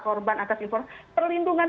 korban atas informasi perlindungan